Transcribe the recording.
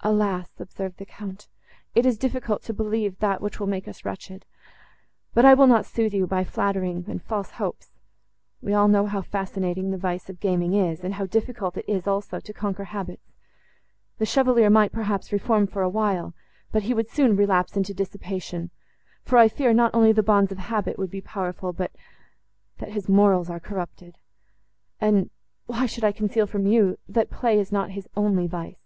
"Alas!" observed the Count, "it is difficult to believe that, which will make us wretched. But I will not sooth you by flattering and false hopes. We all know how fascinating the vice of gaming is, and how difficult it is, also, to conquer habits; the Chevalier might, perhaps, reform for a while, but he would soon relapse into dissipation—for I fear, not only the bonds of habit would be powerful, but that his morals are corrupted. And—why should I conceal from you, that play is not his only vice?